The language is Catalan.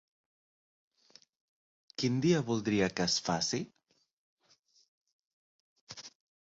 Quin dia voldria que es faci?